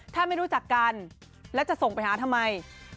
ถ้าไม่รู้จักกันแล้วจะส่งไปหาทำไม